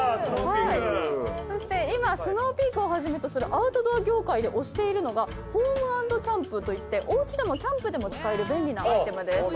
そして今ＳｎｏｗＰｅａｋをはじめとするアウトドア業界でおしているのがホーム＆キャンプといっておうちでもキャンプでも使える便利なアイテムです。